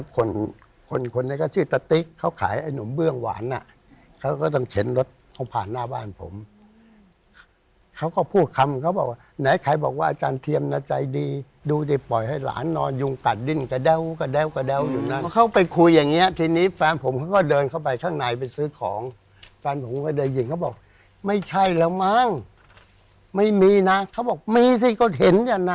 คนคนนั้นก็ชื่อตะติ๊กเขาขายไอ้หนูมบื้องหวานน่ะเขาก็ต้องเข้าผ่านหน้าบ้านผมเขาก็พูดคำเขาบอกว่าแนะใครบอกว่าอาจารย์เทียมนะใจดีดูดิปล่อยให้หลานนอนยูงกัดดิ้นกะแด้วกะแด้วกะแด้วอยู่นั่นเขาไปคุยอย่างเ